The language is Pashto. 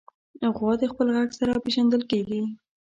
غوا د خپل غږ سره پېژندل کېږي.